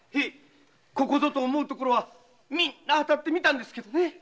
ここぞと思う所はみんな当たってみたんですけどね。